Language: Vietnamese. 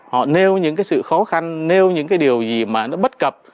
họ nêu những cái sự khó khăn nêu những cái điều gì mà nó bất cập